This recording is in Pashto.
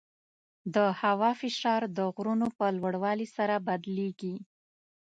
د هوا فشار د غرونو په لوړوالي سره بدلېږي.